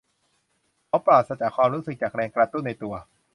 เขาปราศจากความรู้สึกจากแรงกระตุ้นในตัว